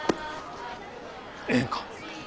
ええんか？